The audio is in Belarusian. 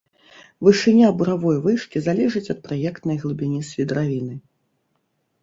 Вышыня буравой вышкі залежыць ад праектнай глыбіні свідравіны.